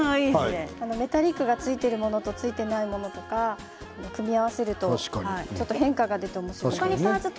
メタリックがついているものとついていないものを組み合わせると変化が出てきます。